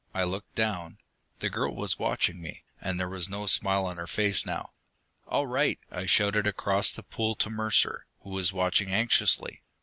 I looked down. The girl was watching me, and there was no smile on her face now. "All right!" I shouted across the pool to Mercer, who was watching anxiously.